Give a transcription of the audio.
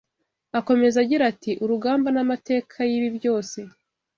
akomeze agira ati: “Urugamba n’Amateka y’ibi byose